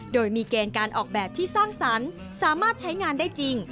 โดยมีเกณฑ์การออกแบบที่สร้างสรรค์สามารถใช้งานได้จริง